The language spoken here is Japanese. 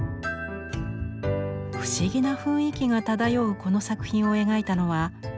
不思議な雰囲気が漂うこの作品を描いたのは初山滋。